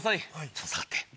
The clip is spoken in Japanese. ちょっと下がって。